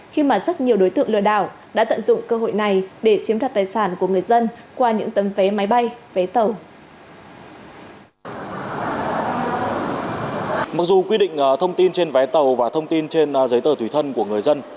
khi mà rất nhiều đối tượng lừa đảo đã tận dụng cơ hội này để chiếm đặt tài sản của người dân